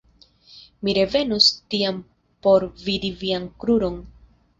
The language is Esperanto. Mi revenos tiam por vidi vian kruron.